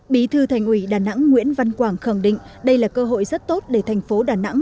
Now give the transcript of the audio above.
bí thư thành ủy đà nẵng nguyễn văn quảng khẳng định đây là cơ hội rất tốt để thành phố đà nẵng